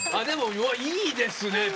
でもいいですね。